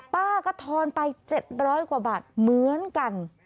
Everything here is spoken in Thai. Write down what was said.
ป้าก็ทอนไป๗๐๐กว่าบาทเหมือนกัน